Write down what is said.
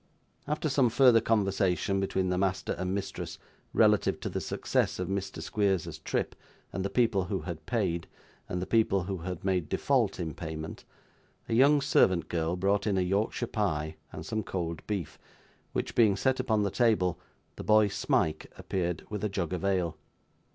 After some further conversation between the master and mistress relative to the success of Mr. Squeers's trip and the people who had paid, and the people who had made default in payment, a young servant girl brought in a Yorkshire pie and some cold beef, which being set upon the table, the boy Smike appeared with a jug of ale.